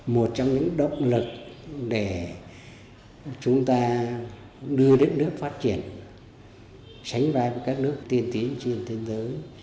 một trong những động lực để chúng ta đưa đất nước phát triển sánh vai với các nước tiên tiến trên thế giới